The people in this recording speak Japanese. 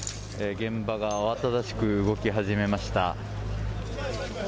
現場が慌ただしく動き始めました。